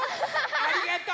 ありがとう！